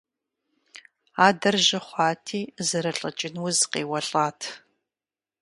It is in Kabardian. Адэр жьы хъуати зэрылӀыкӀын уз къеуэлӀат.